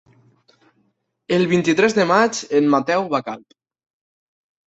El vint-i-tres de maig en Mateu va a Calp.